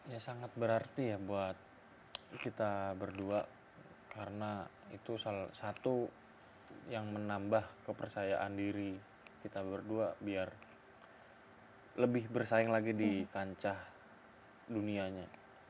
ya sangat berarti ya buat kita berdua karena itu salah satu yang menambah kepercayaan diri kita berdua biar lebih bersaing lagi di kancah dunianya